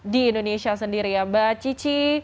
di indonesia sendiri ya mbak cici